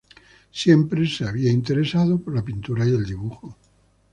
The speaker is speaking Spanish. Siempre se había interesado por la pintura y el dibujo.